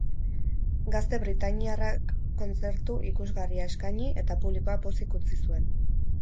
Gazte britainiarrak kontzertu ikusgarria eskaini eta publikoa pozik utzi zuen.